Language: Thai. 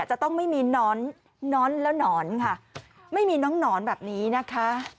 จะต้องไม่มีนอนน้อนแล้วหนอนค่ะไม่มีน้องหนอนแบบนี้นะคะ